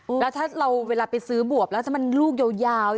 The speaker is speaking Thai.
แล้วถ้าเราเวลาไปซื้อบวบแล้วถ้ามันลูกยาวยาว